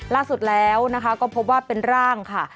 ล่าสุดแล้วก็พบว่าเป็นร่างค่ะ